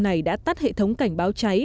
này đã tắt hệ thống cảnh báo cháy